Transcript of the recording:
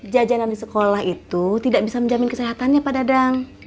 jajanan di sekolah itu tidak bisa menjamin kesehatannya pada dang